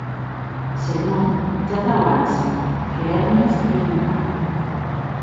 Se non, ja t'auanci que Hermes ei un can.